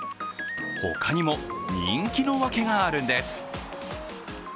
他にも、人気のワケがあるんです。